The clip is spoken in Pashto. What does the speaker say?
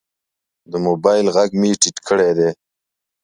د موبایل غږ مې ټیټ کړی دی.